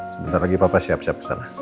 sebentar lagi papa siap siap kesana